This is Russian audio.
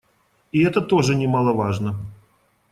И это тоже немаловажно.